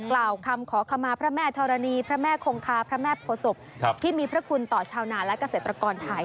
กล่าวคำขอขมาพระแม่ธรณีพระแม่คงคาพระแม่โภษบที่มีพระคุณต่อชาวนาและเกษตรกรไทย